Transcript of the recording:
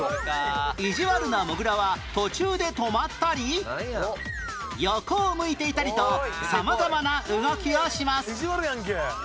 意地悪なモグラは途中で止まったり横を向いていたりと様々な動きをします